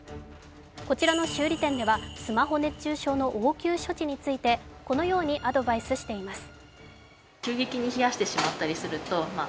こちらの修理店ではスマホ熱中症の応急処置についてこのようにアドバイスしています。